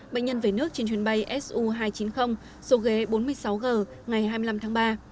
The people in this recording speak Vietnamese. bệnh nhân về nước trên chuyến bay su hai trăm chín mươi số ghế bốn mươi sáu g ngày hai mươi năm tháng ba